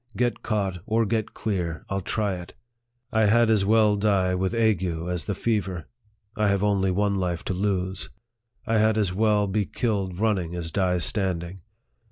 Get caught, or get clear, I'll try it. I had as well die with ague as the fever. I have only one life to lose. I had as well be killed running as die standing.